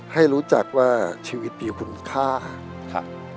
ให้รู้จักว่าชีวิตมีคุณค่าค่ะ